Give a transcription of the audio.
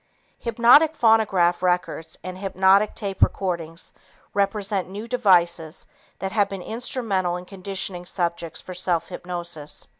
Hypnotic phonograph records and hypnotic tape recordings represent new devices that have been instrumental in conditioning subjects for self hypnosis.